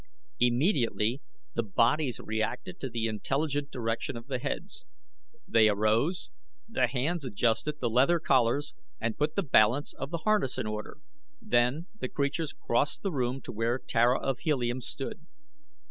Immediately the bodies reacted to the intelligent direction of the heads. They arose, the hands adjusted the leather collars and put the balance of the harness in order, then the creatures crossed the room to where Tara of Helium stood.